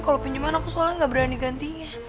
kalau pinjeman aku soalnya gak berani gantinya